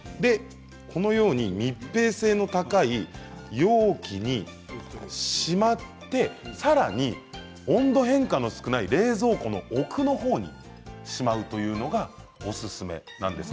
このように密閉性の高い容器にしまってさらに温度変化の少ない冷蔵庫の奥のほうにしまうというのがおすすめなんですね。